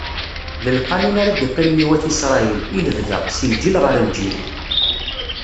D lqanun ara d-iqqimen i wat Isṛayil, i lebda, si lǧil ɣer lǧil.